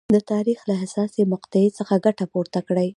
د تاریخ له دې حساسې مقطعې څخه ګټه پورته کړي.